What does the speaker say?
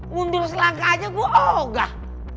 mundur selangkah aja gue ogah